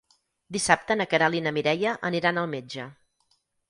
Dissabte na Queralt i na Mireia aniran al metge.